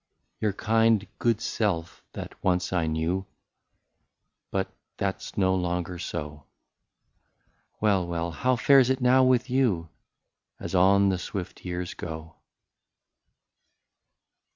Your kind good self, that once I knew — But that 's no longer so — Well, well — how fares it now with you. As on the swift years go